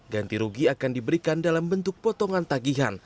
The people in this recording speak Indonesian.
ganti rugi akan diberikan dalam bentuk potongan tagihan